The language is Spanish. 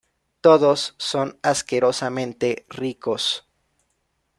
todos son asquerosamente ricos